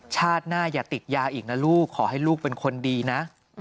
ชาติหน้าอย่าติดยาอีกนะลูกขอให้ลูกเป็นคนดีนะ